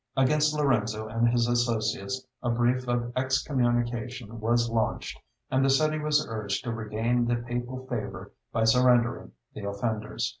Against Lorenzo and his associates a brief of excommunication was launched, and the city was urged to regain the papal favor by surrendering the offenders.